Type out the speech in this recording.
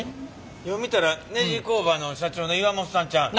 よう見たらネジ工場の社長の岩本さんちゃうの。